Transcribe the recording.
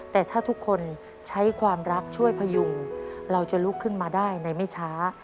แต่ถ้าทุกคนใช้ความรักช่วยพยุงเราจะลุกขึ้นมาได้ในไม่ช้า